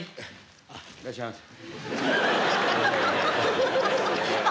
あっいらっしゃいませ。